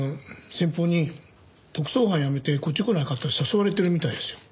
先方に特捜班辞めてこっち来ないかって誘われてるみたいですよ。